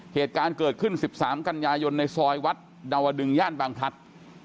เหตุการณ์เกิดขึ้น๑๓กันยายนในซอยวัดดาวดึงย่านบางพลัด